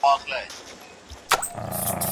د څېړني ډول معلومول لومړنی او بنسټیز ګام دئ.